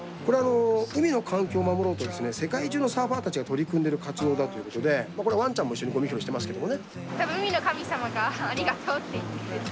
海の環境を守ろうと、世界中のサーファーたちが取り組んでいる活動だということでワンちゃんも一緒にごみ拾いしてますけども。